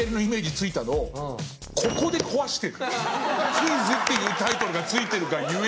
「クイズ」っていうタイトルが付いてるがゆえに。